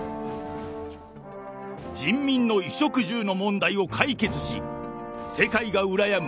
人民の衣食住の問題を解決し、世界が羨む